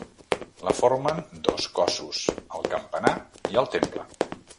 La formen dos cossos, el campanar i el temple.